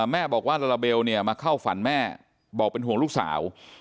แม่บอกว่าลาลาเบลมาเข้าฝันแม่บอกเป็นห่วงลูกสาว